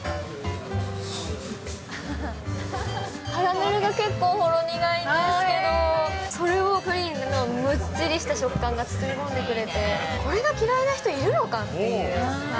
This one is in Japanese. カラメルが結構ほろ苦いんですけど、それをプリンのもっちりした食感が包み込んでくれて、これが嫌いな人いるのかっていう。